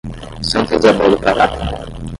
Santa Izabel do Pará